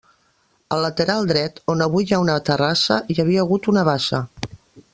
Al lateral dret, on avui hi ha una terrassa hi havia hagut una bassa.